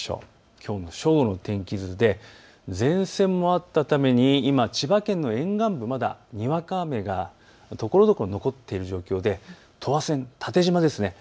きょう正午の天気図で前線もあったために千葉県の沿岸部、まだにわか雨がところどころ残っている状況で縦じまですね。